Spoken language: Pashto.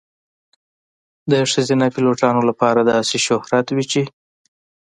د ښځینه پیلوټانو لپاره داسې شهرت وي چې .